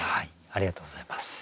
ありがとうございます。